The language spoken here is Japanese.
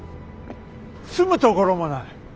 住むところもない。